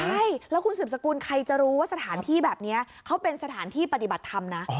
ใช่แล้วคุณสืบสกุลใครจะรู้ว่าสถานที่แบบนี้เขาเป็นสถานที่ปฏิบัติธรรมนะ